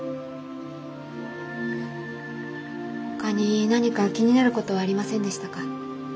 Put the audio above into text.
ほかに何か気になることはありませんでしたか？